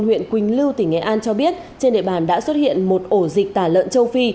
huyện quỳnh lưu tỉnh nghệ an cho biết trên địa bàn đã xuất hiện một ổ dịch tả lợn châu phi